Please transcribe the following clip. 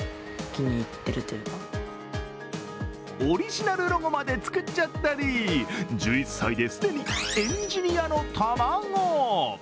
オリジナルロゴまで作っちゃったり１１歳で既にエンジニアの卵。